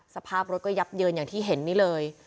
สภาพรถก็ยับเยินอย่างที่เห็นนี่เลย